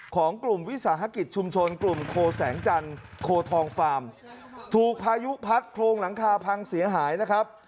ของกลุ่มวิสาหกิจชุมชนกลุ่มโคแสงจันทร์โคทองฟาร์มถูกพายุพัดโครงหลังคาพังเสียหายนะครับ